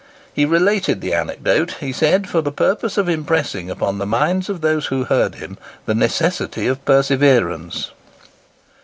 He related the anecdote, he said, for the purpose of impressing upon the minds of those who heard him the necessity of perseverance.